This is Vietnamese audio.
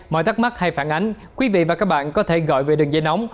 mọi thắc mắc hay phản ánh quý vị và các bạn có thể gọi về đường dây nóng